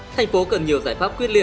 thành phố cần nhiều giải pháp